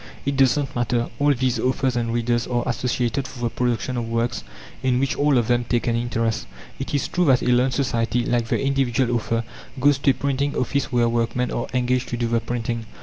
It does not matter: all these authors and readers are associated for the production of works in which all of them take an interest. It is true that a learned society, like the individual author, goes to a printing office where workmen are engaged to do the printing.